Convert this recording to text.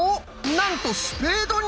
なんとスペードに！